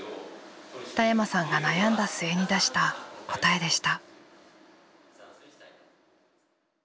田山さんが悩んだ末に出した答えでした。